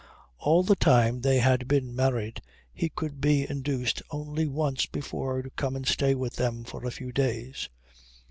All the time they had been married he could be induced only once before to come and stay with them for a few days.